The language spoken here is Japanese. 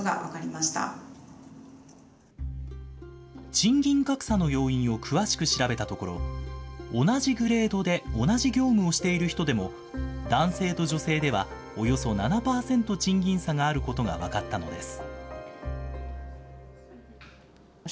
賃金格差の要因を詳しく調べたところ、同じグレードで同じ業務をしている人でも、男性と女性ではおよそ７％賃金差があることが分かったのです。